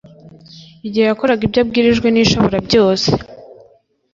Igihe yakoraga ibyo abwirijwe nIshoborabyose